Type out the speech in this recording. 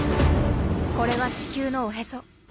これは地球のおへそ。